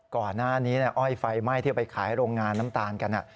ก่อนหน้านี้เนี่ยอ้อยไฟไหม้ที่ไปขายโรงงานน้ำตาลกันอ่ะ